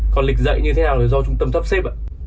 còn lịch dạy như thế nào thì do trung tâm tắp xếp ạ